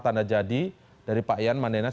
tanda jadi dari pak ian mandenas